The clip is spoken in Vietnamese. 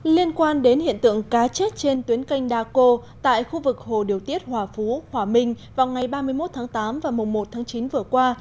liên quan đến hiện tượng cá chết trên tuyến canh đa cô tại khu vực hồ điều tiết hòa phú hòa minh vào ngày ba mươi một tháng tám và mùng một tháng chín vừa qua